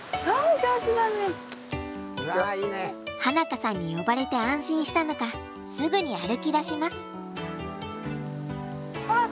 花香さんに呼ばれて安心したのかすぐに歩きだします。